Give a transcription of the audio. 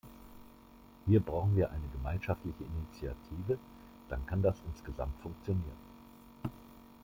Hier brauchen wir eine gemeinschaftliche Initiative, dann kann das insgesamt funktionieren.